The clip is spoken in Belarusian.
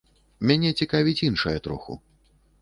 Мяне цікавіць іншае троху.